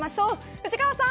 藤川さん